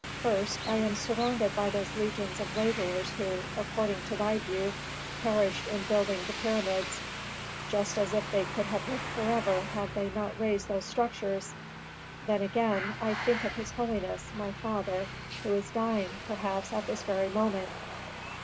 "First I am surrounded by those legions of laborers who, according to thy view, perished in building the pyramids Just as if they could have lived forever had they not raised those structures! Then, again, I think of his holiness, my father, who is dying, perhaps, at this very moment.